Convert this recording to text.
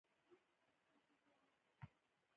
د سینگار کولو تر ټولو غوره شیان په ژوند کې.